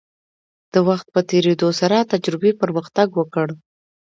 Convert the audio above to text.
د وخت په تیریدو سره تجربې پرمختګ وکړ.